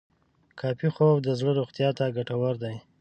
کافي خوب د زړه روغتیا ته ګټور دی.